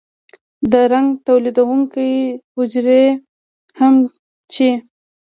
د رنګ تولیدونکي حجرې هم چې